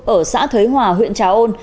ở xã thới hòa huyện trà ôn